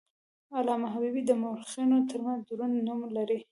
علامه حبیبي د مورخینو ترمنځ دروند نوم لري.